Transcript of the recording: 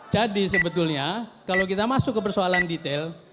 jadi sebetulnya kalau kita masuk ke persoalan detail